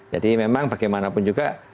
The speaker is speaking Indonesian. jadi memang bagaimanapun juga